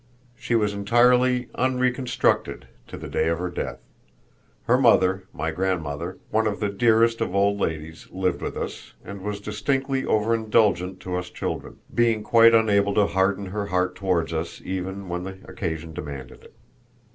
She was entirely "unreconstructed" to the day of her death. Her mother, my grandmother, one of the dearest of old ladies, lived with us, and was distinctly overindulgent to us children, being quite unable to harden her heart towards us even when the occasion demanded it.